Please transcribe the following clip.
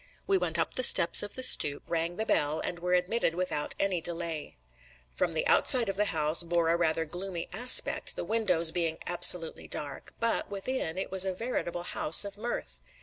We went up the steps of the stoop, rang the bell, and were admitted without any delay. From the outside the house bore a rather gloomy aspect, the windows being absolutely dark, but within, it was a veritable house of mirth.